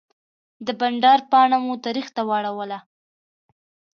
د بانډار پاڼه مو تاریخ ته واړوله.